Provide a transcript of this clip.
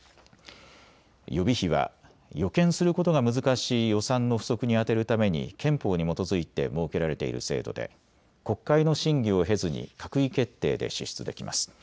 予備費は予見することが難しい予算の不足に充てるために憲法に基づいて設けられている制度で国会の審議を経ずに閣議決定で支出できます。